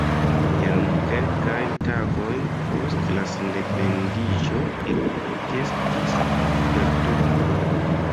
Jam kelkajn tagojn post la sendependiĝo ekestis perturboj.